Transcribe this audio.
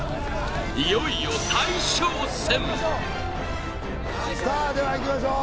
いよいよさあではいきましょう